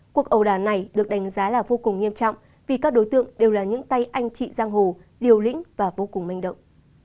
cuộc ẩu đà này được đánh giá là vô cùng nghiêm trọng vì các đối tượng đều là những tay anh chị giang hồ liều lĩnh và vô cùng manh động